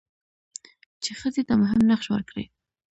چې ښځې ته مهم نقش ورکړي؛